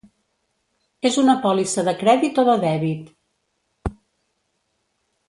És una pòlissa de crèdit o de dèbit?